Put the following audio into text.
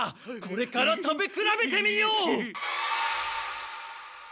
これから食べくらべてみよう！